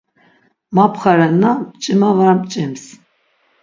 Mapxa renna mç̌ima var mç̌ims.